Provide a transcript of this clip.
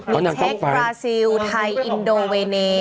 พุ่งเช็คปราเซียไทยอินโดเวนีย